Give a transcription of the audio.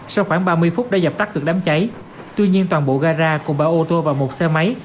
sau khoảng ba mươi phút đã dập tắt được đám cháy tuy nhiên toàn bộ gara cùng ba ô tô và một xe máy